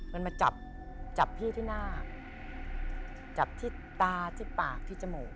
มันมาจับจับพี่ที่หน้าจับที่ตาที่ปากที่จมูก